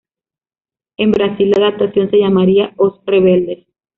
En Brasil, la adaptación se llamaría "Os Rebeldes".